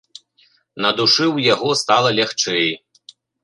На душы ў яго стала лягчэй.